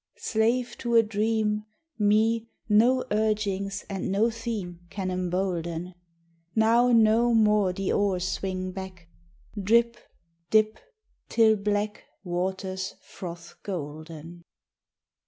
Slave to a dream, Me no urgings and no theme Can embolden; Now no more the oars swing back, Drip, dip, till black Waters froth golden.